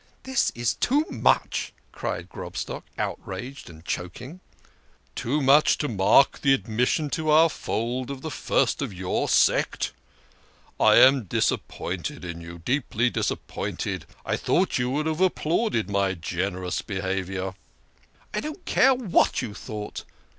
" This is too much !" cried Grobstock, outraged and choking. "Too much to mark the admission to our fold of the first of your sect ! I am disappointed in you, deeply disappointed. I thought you would have applauded my generous behaviour." " I don't care what you thought